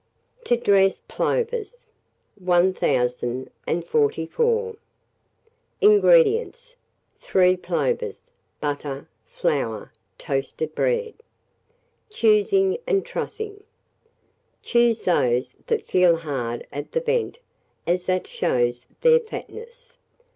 TO DRESS PLOVERS. 1044. INGREDIENTS. 3 plovers, butter, flour, toasted bread. Choosing and Trussing. Choose those that feel hard at the vent, as that shows their fatness.